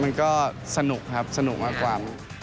มันก็สนุกครับสนุกกับความ